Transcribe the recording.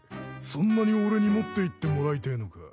そんなに俺に持っていってもらいてえのか。